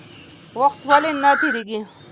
وخت ولې نه تېرېږي؟